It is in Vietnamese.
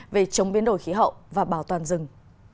về chống biến đổi khí hậu và bảo toàn rừng